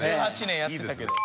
１８年やってたけど。